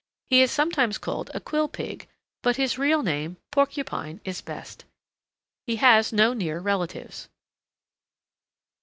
He is sometimes called a Quill Pig, but his real name, Porcupine, is best. He has no near relatives.